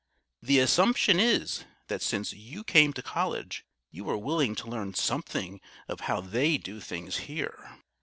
The assumption is, that since you came to College, you are willing to learn something of how they do things here.